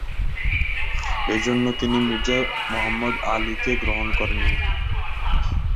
এজন্য তিনি মির্জা মুহম্মদ আলী কে গ্রহণ করেন নি।